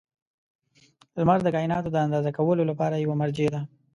• لمر د کایناتو د اندازه کولو لپاره یوه مرجع ده.